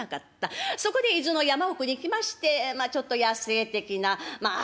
そこで伊豆の山奥に来ましてちょっと野性的なまあ